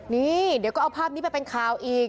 นี่เดี๋ยวก็เอาภาพนี้ไปเป็นข่าวอีก